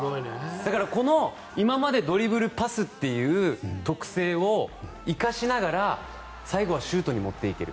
この今までドリブル、パスという特性を生かしながら最後はシュートに持っていける。